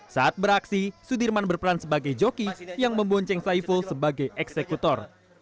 saat beraksi sudirman berperan sebagai joki yang membonceng saiful sebagai eksekutor